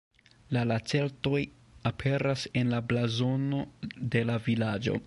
La lacertoj aperas en la blazono de la vilaĝo.